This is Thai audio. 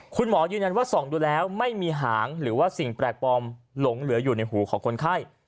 คุณหมอยืนยันว่าส่องดูแล้วไม่มีหางหรือว่าสิ่งแปลกปลอมหลงเหลืออยู่ในหูของคนไข้